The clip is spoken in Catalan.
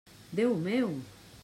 Déu meu!